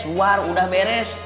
luar udah beres